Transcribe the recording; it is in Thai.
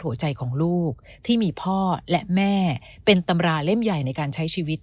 หัวใจของลูกที่มีพ่อและแม่เป็นตำราเล่มใหญ่ในการใช้ชีวิต